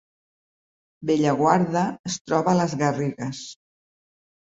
Bellaguarda es troba a les Garrigues